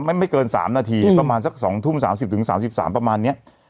ไม่ไม่เกินสามนาทีประมาณสักสองทุ่มสามสิบถึงสามสิบสามประมาณเนี้ย